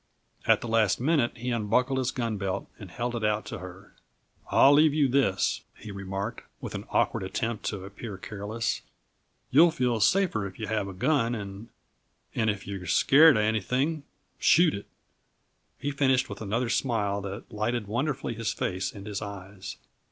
At the last minute he unbuckled his gun belt and held it out to her. "I'll leave you this," he remarked, with an awkward attempt to appear careless. "You'll feel safer if you have a gun, and and if you're scared at anything, shoot it." He finished with another smile that lighted wonderfully his face and his eyes.